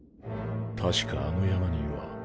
確かあの山には。